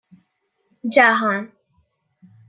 جهان